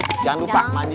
jangan lupa mandi